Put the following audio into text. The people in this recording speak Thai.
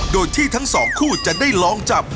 โดยที่ทั้งสองคู่จะได้ลองจับ